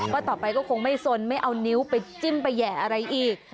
ต่อไปก็คงไม่สนไม่เอานิ้วไปจิ้มไปแห่อะไรอีก